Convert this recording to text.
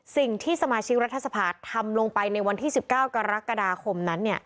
สิ่งที่สมาชิกรัฐสภาทำลงไปในวันที่๑๙กรกฎาคมนั้น